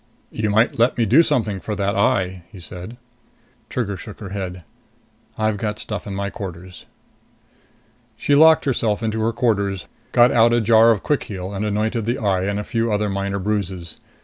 "You might let me do something for that eye," he said. Trigger shook her head. "I've got stuff in my quarters." She locked herself into her quarters, got out a jar of quick heal and anointed the eye and a few other minor bruises.